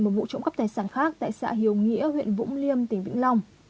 một vụ trộm cắp tài sản khác tại xã hiếu nghĩa huyện vũng liêm tỉnh vĩnh long